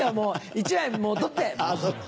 １枚取って。